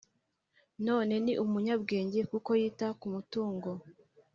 Nanone ni umunyabwenge kuko yita ku mutungo